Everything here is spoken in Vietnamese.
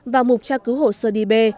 và mục tra cứu hồ sơ đi bê